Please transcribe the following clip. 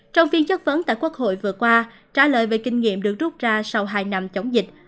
trong phiên chất vấn tại quốc hội vừa qua trả lời về kinh nghiệm được rút ra sau hai năm chống dịch